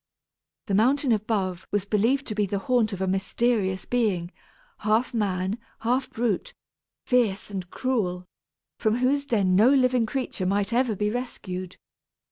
The mountain above was believed to be the haunt of a mysterious being, half man, half brute, fierce and cruel, from whose den no living creature might ever be rescued.